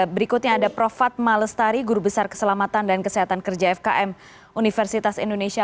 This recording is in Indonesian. berikutnya ada prof fatma lestari guru besar keselamatan dan kesehatan kerja fkm universitas indonesia